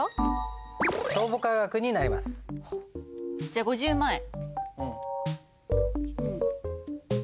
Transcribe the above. じゃあ５０万円。